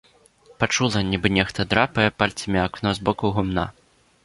Пачула нібы нехта драпае пальцамі акно з боку гумна.